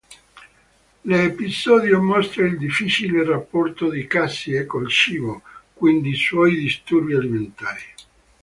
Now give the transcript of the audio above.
L'episodio mostra il difficile rapporto di Cassie col cibo, quindi i suoi disturbi alimentari.